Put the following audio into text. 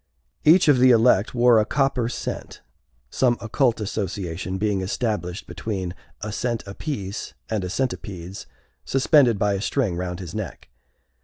Each of the elect wore a copper cent (some occult association being established between a cent apiece and a centipedes suspended by a string round his neck).